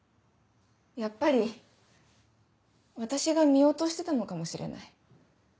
やっぱり私が見落としてたのかもしれない。